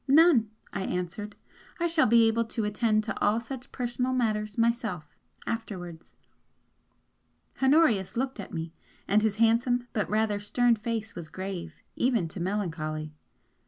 "None!" I answered "I shall be able to attend to all such personal matters myself afterwards!" Honorius looked at me, and his handsome but rather stern face was grave even to melancholy.